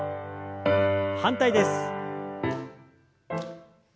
反対です。